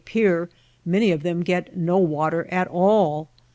pear, many of them get no water at all.